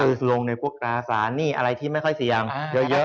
คือลงในพวกอาสารหนี้อะไรที่ไม่ค่อยเสี่ยงเยอะ